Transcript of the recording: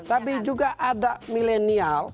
tapi juga ada milenial